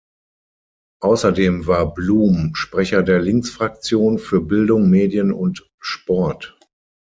Außerdem war Bluhm Sprecher der Linksfraktion für Bildung, Medien und Sport.